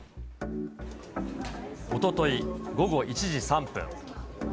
おととい午後１時３分。